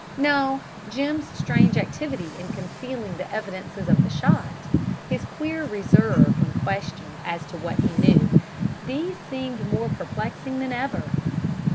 No, Jim's strange activity in concealing the evidences of the shot, his queer reserve when questioned as to what he knew these seemed more perplexing than ever.